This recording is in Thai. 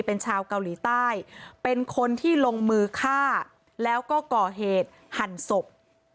เป็นชาวเกาหลีใต้เป็นคนที่ลงมือฆ่าแล้วก็ก่อเหตุหั่นศพ